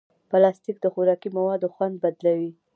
پلاستيک د خوراکي موادو خوند بدلوي.